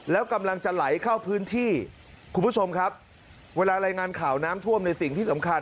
แล้วกำลังจะไหลเข้าพื้นที่คุณผู้ชมครับเวลารายงานข่าวน้ำท่วมในสิ่งที่สำคัญ